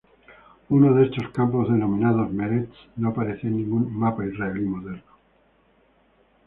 Uno de estos campos, denominado "Meretz", no aparecía en ningún mapa israelí moderno.